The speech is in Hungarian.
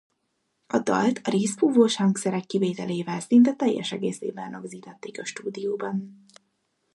A dalt a rézfúvós hangszerek kivételével szinte teljes egészében rögzítették a stúdióban.